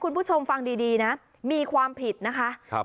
คุณผู้ชมฟังดีดีนะมีความผิดนะคะ